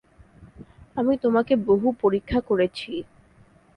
আমি তোমাকে বহু পরীক্ষা করেছি।